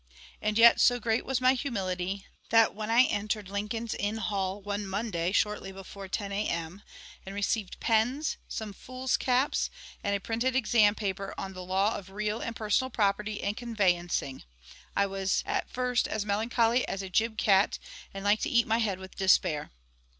And yet so great was my humility that, when I entered Lincoln's Inn Hall one Monday shortly before 10 A.M., and received pens, some foolscaps, and a printed exam paper on the Law of Real and Personal Property and Conveyancing, I was at first as melancholy as a gib cat, and like to eat my head with despair!